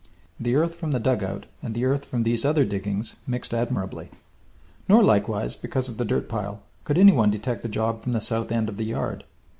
The earth from the dugout and the earth from these other diggings mixed admirably. Nor, likewise because of the dirt pile, could any one detect the job from the south end of the yard.